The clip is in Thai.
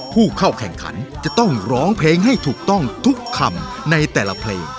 ผู้เข้าแข่งขันจะต้องร้องเพลงให้ถูกต้องทุกคำในแต่ละเพลง